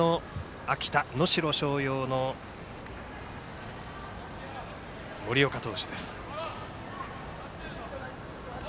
秋田・能代松陽の森岡投手。